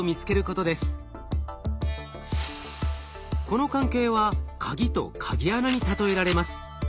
この関係は鍵と鍵穴に例えられます。